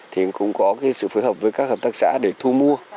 thì cũng có sự phối hợp với các hợp tác xã để thu mua